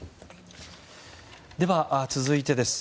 では、続いてです。